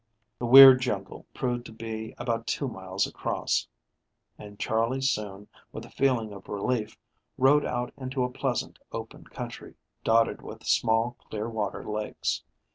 The weird jungle proved to be about two miles across, and Charley soon, with a feeling of relief, rode out into a pleasant, open country, dotted with small, clear water lakes.